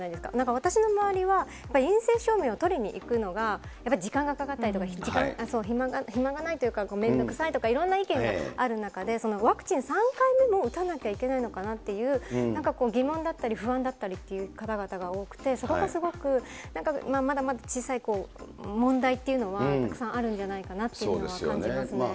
私の周りは、陰性証明を取りに行くのがやっぱり時間がかかったりとか、暇がないというか、面倒くさいとか、いろんな意見がある中で、ワクチン３回目も打たなきゃいけないのかなっていうなんか疑問だったり、不安だったりという方々が多くて、そこがすごくなんかまだまだ小さい問題っていうのは、たくさんあるんじゃないかなっていうのは感じますね。